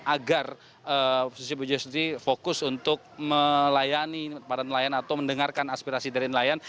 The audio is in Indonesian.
agar susi pujio sendiri fokus untuk melayani para nelayan atau mendengarkan aspirasi dari nelayan